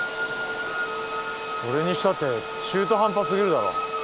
それにしたって中途半端過ぎるだろ。